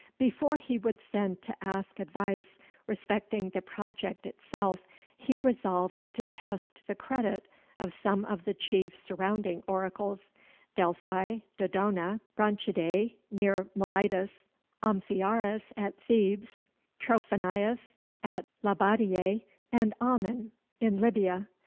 Before he would send to ask advice respecting the project itself, he resolved to test the credit of some of the chief surrounding oracles Delphi, Dodona, Branchidæ near Miletus, Amphiaraus at Thebes, Trophonius at Labadeia, and Ammon in Libya.